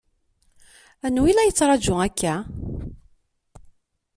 Anwa i la yettṛaǧu akka?